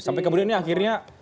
sampai kemudian ini akhirnya